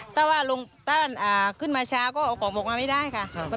ถ้าว่าลุงต้านขึ้นมาช้าก็เอาของออกมาไม่ได้ค่ะ